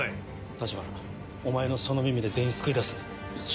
橘お前のその耳で全員救い出すんだ。